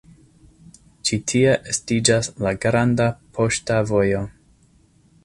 Ĉi tie estiĝas la Granda Poŝta Vojo.